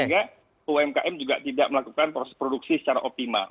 sehingga umkm juga tidak melakukan proses produksi secara optimal